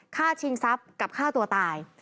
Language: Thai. ชิงทรัพย์กับฆ่าตัวตาย